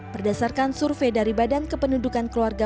berdasarkan survei dari badan kependudukan keluarga